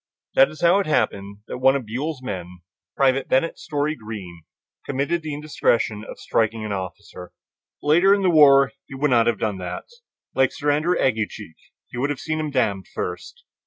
That is how it happened that one of Buell's men, Private Bennett Story Greene, committed the indiscretion of striking his officer. Later in the war he would not have done that; like Sir Andrew Aguecheek, he would have "seen him damned" first.